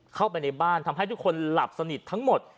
เข้าไปในบ้านทำให้ทุกคนหลับสนิททั้งหมด